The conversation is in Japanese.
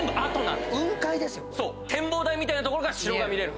展望台みたいな所から城見れる。